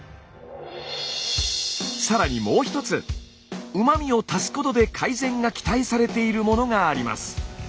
更にもう一つうま味を足すことで改善が期待されているものがあります。